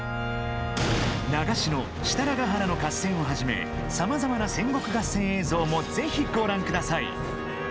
長篠・設楽原の合戦をはじめ様々な戦国合戦映像も是非ご覧ください！